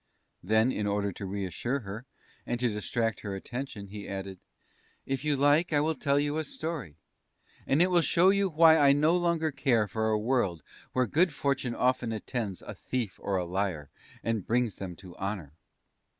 Then, in order to reassure her, and to distract her attention, he added: "If you like, I will tell you a Story, and it will show you why I no longer care for a world where good fortune often attends a thief or a liar, and brings them to honour."